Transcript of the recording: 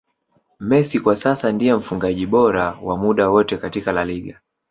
Messi kwa sasa ndiye mfungaji bora wa muda wote katika La Liga